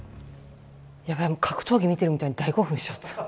やばい格闘技見てるみたいに大興奮しちゃった。